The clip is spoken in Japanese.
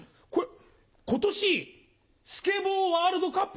今年スケボーワールドカップ